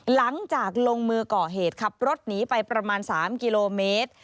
หลังจากลงมือก่อเหตุขับรถหนีไปประมาณ๓กิโลเมตร